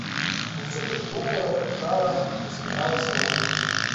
Усё тут грукала, трашчала, ускідалася ў рух.